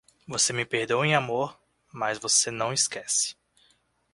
Você me perdoa em amor, mas você não esquece.